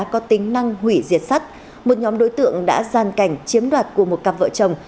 có tính năng hủy diệt sắt một nhóm đối tượng đã gian cảnh chiếm đoạt của một cặp vợ chồng